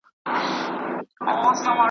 رابللي یې څو ښځي له دباندي .